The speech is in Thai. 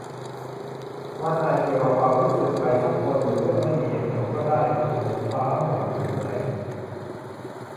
มันอาจเกี่ยวกับความรู้สึก ใครสักคน หรือเรื่องไม่มีเหตุผลก็ได้ เหมือนฟ้าหม่นอยู่ข้างใน